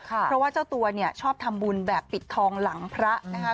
เพราะว่าเจ้าตัวเนี่ยชอบทำบุญแบบปิดทองหลังพระนะคะ